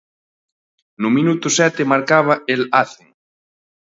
No minuto sete marcaba El Hacen.